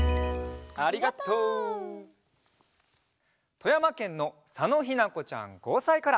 とやまけんのさのひなこちゃん５さいから。